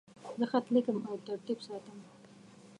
زه خط لیکم او ترتیب ساتم.